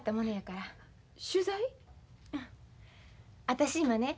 私今ね